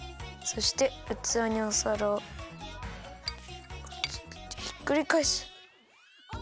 そしてうつわにおさらをかぶせてひっくりかえす。